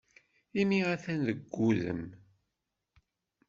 Imi atan deg wudem.